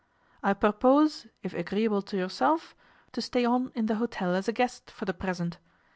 I purpose, if agreeable to yourself, to stay on in the hotel as a guest for the present.